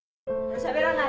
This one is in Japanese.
しゃべらない。